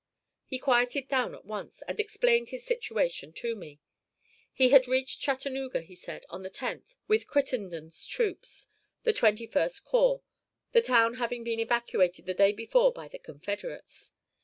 He quieted down at once, and explained his situation to me. He had reached Chattanooga, he said, on the 10th, with Crittenden's troops, the Twenty first Corps, the town having been evacuated the day before by the Confederates.